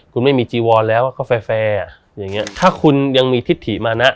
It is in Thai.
คุณไม่มีจีวอนแล้วก็แฟร์อย่างเงี้ถ้าคุณยังมีทิศถิมานะ